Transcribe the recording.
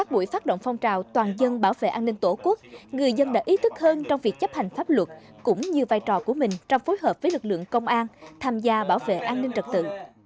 trong buổi phát động phong trào toàn dân bảo vệ an ninh tổ quốc người dân đã ý thức hơn trong việc chấp hành pháp luật cũng như vai trò của mình trong phối hợp với lực lượng công an tham gia bảo vệ an ninh trật tự